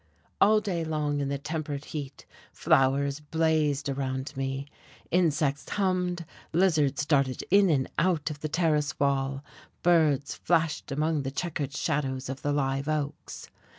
All day long in the tempered heat flowers blazed around me, insects hummed, lizards darted in and out of the terrace wall, birds flashed among the checkered shadows of the live oaks.